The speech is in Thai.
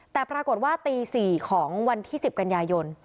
แต่ปรากฏว่าตี๔ของวันที่๑๐กันยายน